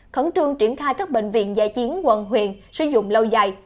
khẩn trương triển khai các bệnh viện dạy chiến quần huyện sử dụng lâu dài